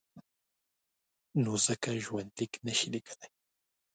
نو ځکه ژوندلیک نشي لیکلای.